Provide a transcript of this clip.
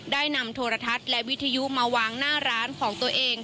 ได้นำโทรทัศน์และวิทยุมาวางหน้าร้านของตัวเอง